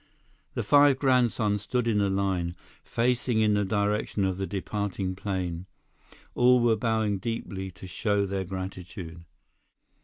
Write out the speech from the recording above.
The five grandsons stood in a line, facing in the direction of the departing plane. All were bowing deeply to show their gratitude.